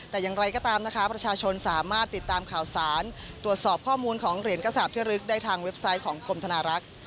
แต่อย่างไรก็ตามนะคะประชาชนสามารถติดตามข่าวสารตรวจสอบข้อมูลของเหรียญกระสาปเที่ยวลึกได้ทางเว็บไซต์ของกรมธนารักษ์